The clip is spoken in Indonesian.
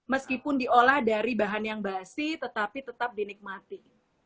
meskipun diolah dari bahan yang basi tetapi tetap dinikmati